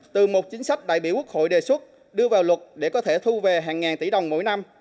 từ một chính sách đại biểu quốc hội đề xuất đưa vào luật để có thể thu về hàng ngàn tỷ đồng mỗi năm